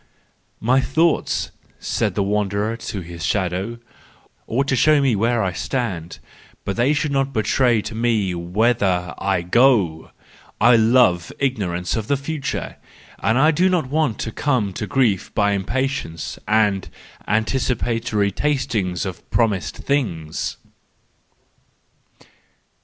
— 11 My thoughts," said the wanderer to his shadow, " ought to show me where I stand, but they should not betray to me whither I go. I love ignorance of the future, and do not want to come to grief by impatience and antici¬ patory tasting of promised things."